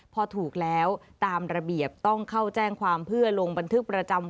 พอถูกแล้วตามระเบียบต้องเข้าแจ้งความเพื่อลงบันทึกประจำวัน